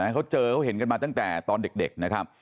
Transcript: เขาเจอเขาเห็นกันมาตั้งแต่ตอนเด็กนะครับ